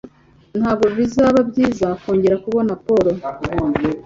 Ntabwo bizaba byiza kongera kubona Pawulo?